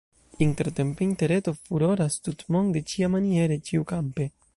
Intertempe Interreto furoras tutmonde, ĉiamaniere, ĉiukampe.